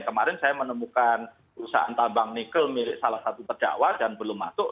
kemarin saya menemukan perusahaan tambang nikel milik salah satu terdakwa dan belum masuk